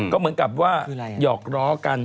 ก็เหมือนกับว่าหยอกล้อกัน